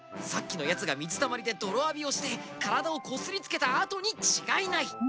さっきのやつがみずたまりでどろあびをしてからだをこすりつけたあとにちがいない！